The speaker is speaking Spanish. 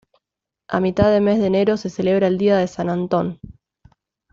A mitad de mes de enero se celebra el día de San Antón.